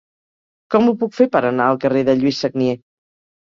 Com ho puc fer per anar al carrer de Lluís Sagnier?